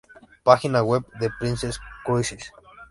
Página web de Princess Cruises